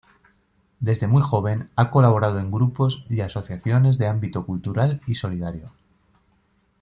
Desde muy joven, ha colaborado en grupos y asociaciones de ámbito cultural y solidario.